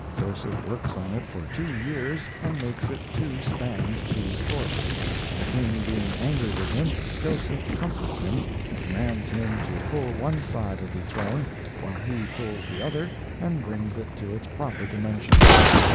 Joseph works on it for two years and makes it two spans too short. The King being angry with him, Jesus comforts him—commands him to pull one side of the throne while he pulls the other and brings it to its proper dimensions.